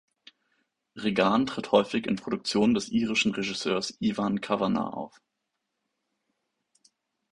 Regan tritt häufig in Produktionen des irischen Regisseurs Ivan Kavanagh auf.